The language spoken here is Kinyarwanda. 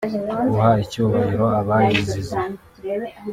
guha icyubahiro abayizize